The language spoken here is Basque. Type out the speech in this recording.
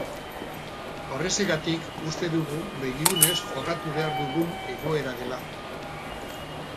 Horrexegatik uste dugu begirunez jorratu behar dugun egoera dela.